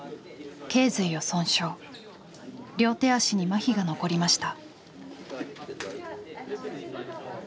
両手足にまひが残りました。